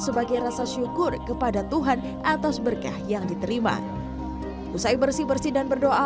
sebagai rasa syukur kepada tuhan atas berkah yang diterima usai bersih bersih dan berdoa